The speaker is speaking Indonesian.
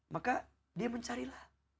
maka dia mencarilah